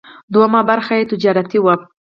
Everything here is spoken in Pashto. دوهمه برخه یې تجارتي وه.